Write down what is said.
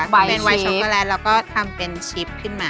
เป็นวัยช็อกโกแลตเราก็ทำเป็นชิปขึ้นมา